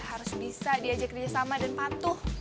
harus bisa diajak kerjasama dan patuh